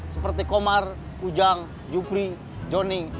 seperti komar ujang jupri joni